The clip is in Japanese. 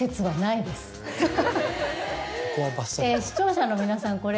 視聴者の皆さん